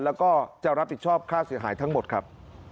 แล้วก็จะรับผิดชอบค่าเสียหายทั้งหมดครับ